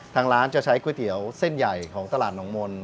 ทางร้านจะใช้ก๋วยเตี๋ยวเส้นใหญ่ของตลาดหนองมนต์